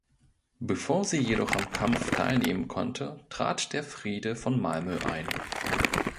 Bevor sie jedoch am Kampf teilnehmen konnte, trat der Friede von Malmö ein.